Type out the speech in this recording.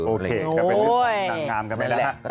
โอเคนางงามกันไปแล้วนะ